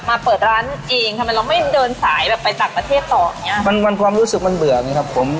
เปิดร้านเองทำไมเราไม่เดินสายแบบไปต่างประเทศต่ออย่างเงี้ยมันมันความรู้สึกมันเบื่อไงครับผม